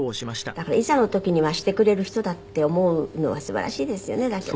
だからいざの時にはしてくれる人だって思うのはすばらしいですよねだけど。